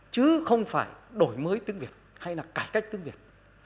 chứ không phải đổi mới tiếng việt hay là cải cách tiếng việt